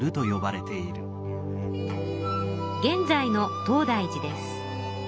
現在の東大寺です。